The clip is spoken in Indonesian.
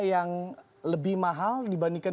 yang lebih mahal dibandingkan